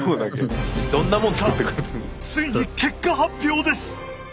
さあついに結果発表です！